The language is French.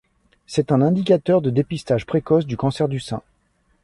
C'est un indicateur de dépistage précoce du cancer du sein.